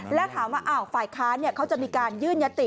แล้วถามว่าฝ่ายค้านเขาจะมีการยื่นยติ